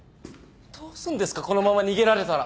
どうすんですかこのまま逃げられたら。